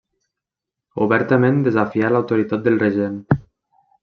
Obertament desafià l'autoritat del regent.